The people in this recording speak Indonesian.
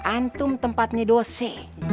antum tempatnya dosa